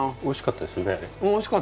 おいしかったです。